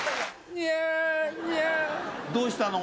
どうしたの？